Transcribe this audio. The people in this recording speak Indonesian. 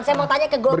saya mau tanya ke golkar